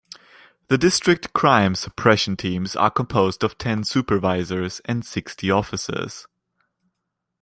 The District Crime Suppression Teams are composed of ten supervisors and sixty officers.